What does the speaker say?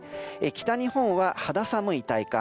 北日本は肌寒い体感